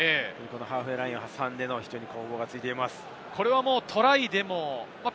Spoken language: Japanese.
ハーフウェイラインを挟んで攻防が続いています。